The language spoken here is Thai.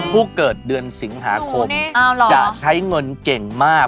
ผู้เกิดเดือนสิงหาคมจะใช้เงินเก่งมาก